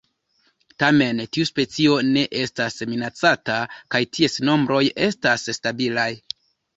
Tamen tiu specio ne estas minacata, kaj ties nombroj estas stabilaj.